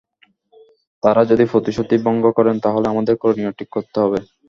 তাঁরা যদি প্রতিশ্রুতি ভঙ্গ করেন, তাহলে আমাদের করণীয় ঠিক করতে হবে।